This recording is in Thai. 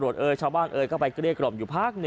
ชาวบ้านเออร์เข้าไปเกลียดกลมอยู่พัก๑